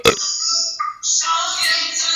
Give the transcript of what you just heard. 粗体数据代表从激发函数算出的最大值。